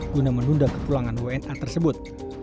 guna menunda ke pulangan wna tersebut